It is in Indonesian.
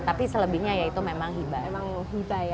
tapi selebihnya ya itu memang hibah